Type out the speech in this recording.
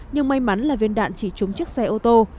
nhưng may mắn là viên đạn chỉ trúng chiếc xe ô tô